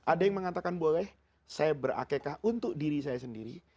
ada yang mengatakan boleh saya berakekah untuk diri saya sendiri